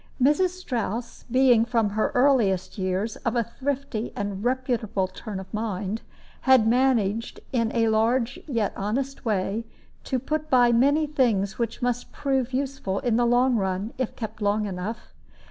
Mrs. Strouss, being from her earliest years of a thrifty and reputable turn of mind, had managed, in a large yet honest way, to put by many things which must prove useful in the long run, if kept long enough.